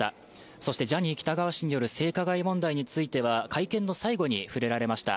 そしてジャニー喜多川氏による性加害問題については会見の最後に触れられました。